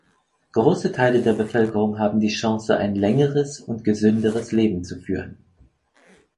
Große Teile der Bevölkerung haben die Chance, ein längeres und gesünderes Leben zu führen.